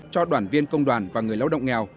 cho đoàn viên công đoàn và người lao động nghèo